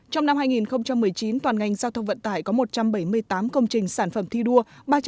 trong năm hai nghìn một mươi chín toàn ngành giao thông vận tải có một trăm bảy mươi tám công trình sản phẩm thi đua